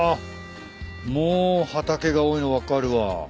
もう畑が多いの分かるわ。